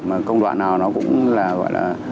mà công đoạn nào nó cũng là gọi là